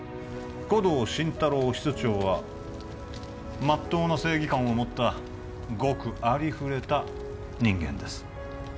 護道心太朗室長はまっとうな正義感を持ったごくありふれた人間です